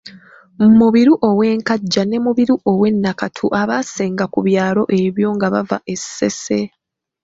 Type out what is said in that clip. Mubiru ow’e Nkajja ne Mubiru ow’e Nakatu abaasenga ku byalo ebyo nga bava e Ssese.